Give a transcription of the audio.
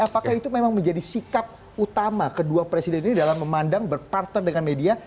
apakah itu memang menjadi sikap utama kedua presiden ini dalam memandang berpartner dengan media